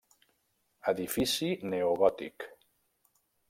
Edifici neogòtic.